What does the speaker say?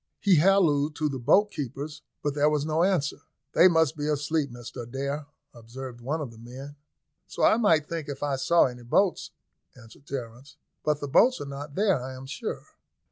He hallooed to the boat keepers, but there was no answer. "They must be asleep, Mr Adair," observed one of the men. "So I might think if I saw any boats," answered Terence. "But the boats are not there, I am sure."